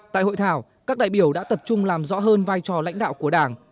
tại hội thảo các đại biểu đã tập trung làm rõ hơn vai trò lãnh đạo của đảng